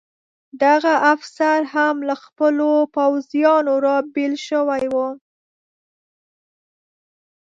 دغه افسر هم له خپلو پوځیانو را بېل شوی و.